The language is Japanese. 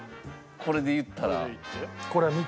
これで言ったら。